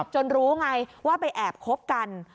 จนรู้ไงว่าไปแอบคบกัน